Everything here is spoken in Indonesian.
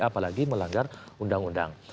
apalagi melanggar undang undang